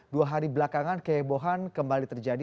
dua hari belakangan kehebohan kembali terjadi